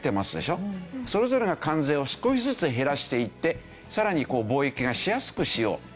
それぞれが関税を少しずつ減らしていってさらに貿易がしやすくしよう。